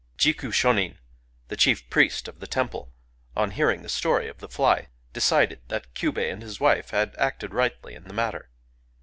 Jiku Shonin, the chief priest of the temple, on hearing the story of the fly, decided that Kyubei and his wife had acted rightly in the matter.